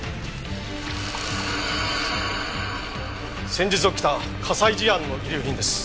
先日起きた火災事案の遺留品です。